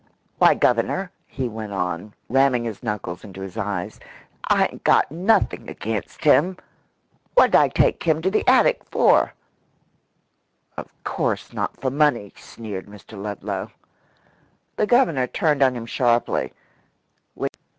Why Governor," he went on, ramming his knuckles into his eyes, "I ain't got nothing against him! What'd I take him to the attic for?" "Of course not for money," sneered Mr. Ludlow. The Governor turned on him sharply.